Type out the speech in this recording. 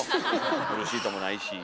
ブルーシートもないし。